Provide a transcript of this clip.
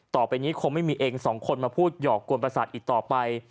ต่อไปนี้คงไม่มีเองสองคนมาพูดหยอกกวนประสาทอีกต่อไป